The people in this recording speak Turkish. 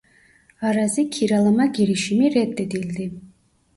Arazi kiralama girişimi reddedildi.